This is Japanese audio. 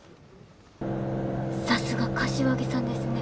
さすが柏木さんですね